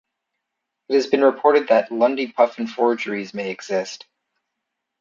It has been reported that Lundy puffin forgeries may exist.